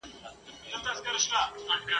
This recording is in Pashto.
ژړا نه وه څو پیسوته خوشالي وه !.